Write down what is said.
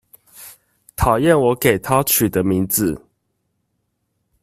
討厭我給她取的名字